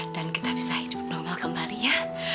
dan kita bisa hidup normal kembali ya